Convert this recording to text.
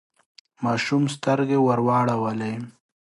ماشوم سترګې ورواړولې.